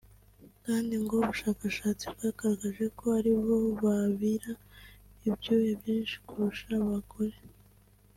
kandi ngo ubushakashatsi bwagaragaje ko aribo babira ibyuya byinshi kurusha abagore